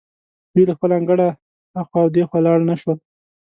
دوی له خپل انګړه هخوا او دېخوا لاړ نه شول.